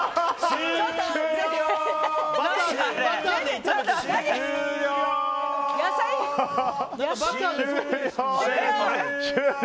終了！